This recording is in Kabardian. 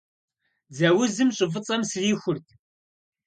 Дзэ узым щӀы фӀыцӀэм срихурт.